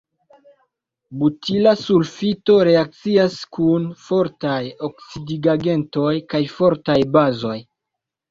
Butila sulfito reakcias kun fortaj oksidigagentoj kaj fortaj bazoj.